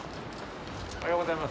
おはようございます。